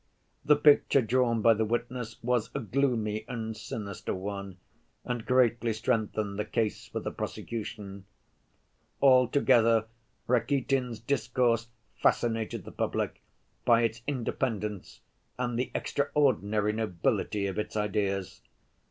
The picture drawn by the witness was a gloomy and sinister one, and greatly strengthened the case for the prosecution. Altogether, Rakitin's discourse fascinated the public by its independence and the extraordinary nobility of its ideas.